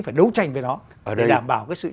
phải đấu tranh với nó để đảm bảo cái sự